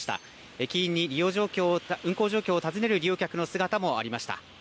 駅員に運行状況を訪ねる利用客の姿もありました。